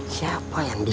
siapa yang disakiti